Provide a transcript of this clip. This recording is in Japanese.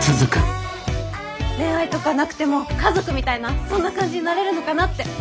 恋愛とかなくても家族みたいなそんな感じになれるのかなって。